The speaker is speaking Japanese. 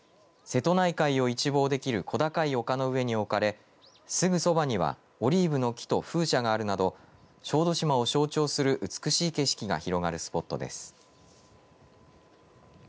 瀬戸内海を一望できる小高い丘の上に置かれ、すぐそばにはオリーブの木と風車もあるなど小豆島を象徴する美しい景色が広がるスポットです。